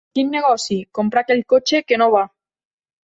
Quin negoci, comprar aquell cotxe que no va!